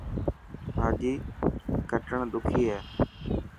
ڀاڄي ڪٽڻ ڏکي هي.